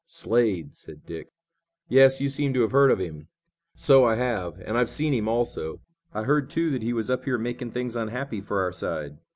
"Slade!" said Dick. "Yes, you seem to have heard of him?" "So I have, and I've seen him, also. I heard, too, that he was up here making things unhappy for our side.